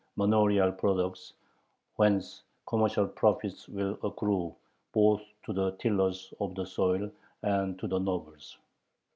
_ manorial, products, "whence commercial profits will accrue both to the tillers of the soil (?!) and to the nobles."